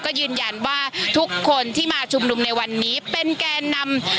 ก็ยืนยันว่าทุกคนที่มาชุมนุมในวันนี้เป็นแกนนำ